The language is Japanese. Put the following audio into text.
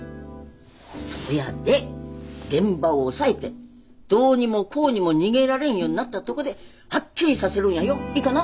そやで現場を押さえてどうにもこうにも逃げられんようになったとこではっきりさせるんやよいいかな？